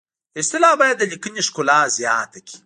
اصطلاح باید د لیکنې ښکلا زیاته کړي